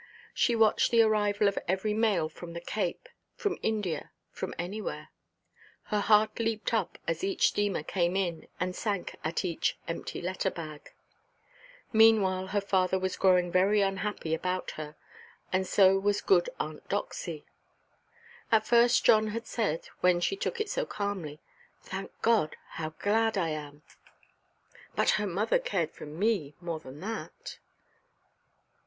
She watched the arrival of every mail from the Cape, from India, from anywhere; her heart leaped up as each steamer came in, and sank at each empty letterbag. Meanwhile her father was growing very unhappy about her, and so was good Aunt Doxy. At first John had said, when she took it so calmly, "Thank God! How glad I am! But her mother cared for me more than that."